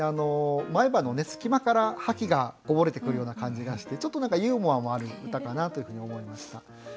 前歯の隙間から覇気がこぼれてくるような感じがしてちょっと何かユーモアもある歌かなというふうに思いました。